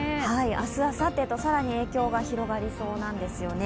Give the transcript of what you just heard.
明日あさってと更に影響が広がりそうなんですね。